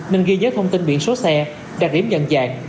nên ghi nhớ thông tin biển số xe đặc điểm nhận dạng